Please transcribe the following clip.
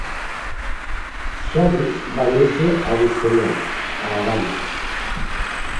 Shadix va néixer a Bessemer (Alabama).